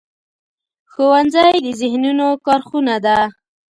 ښوونځی د ذهنونو کارخونه ده